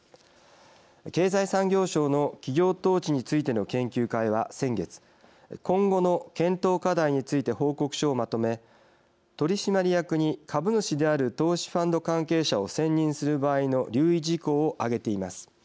経済産業省の企業統治についての研究会は先月、今後の検討課題について報告書をまとめ取締役に株主である投資ファンド関係者を選任する場合の留意事項を挙げています。